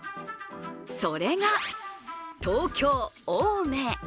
それが東京・青梅。